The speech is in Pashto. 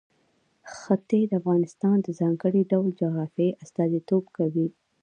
ښتې د افغانستان د ځانګړي ډول جغرافیه استازیتوب کوي.